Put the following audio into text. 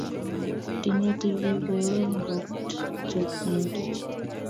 Tinye tibik aeng' pot Chepng'etich.